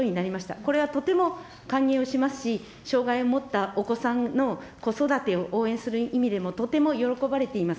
これはとても歓迎をしますし、障害を持ったお子さんの子育てを応援する意味でも、とても喜ばれています。